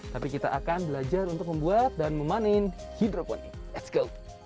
tapi kita akan belajar untuk membuat dan memanen hidroponik let's go